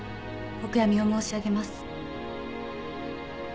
お悔やみを申し上げます。